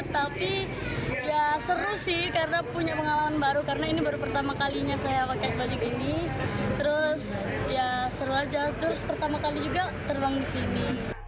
terus ya seru aja terus pertama kali juga terbang disini